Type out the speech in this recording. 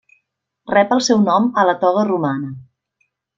Rep el seu nom a la toga romana.